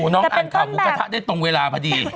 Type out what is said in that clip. น้องอ่านข่าวหมูกระทะได้ตรงเวลาพอดี